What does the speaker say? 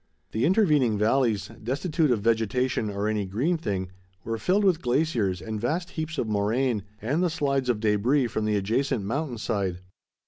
The intervening valleys, destitute of vegetation or any green thing, were filled with glaciers and vast heaps of moraine, and the slides of debris from the adjacent mountain side.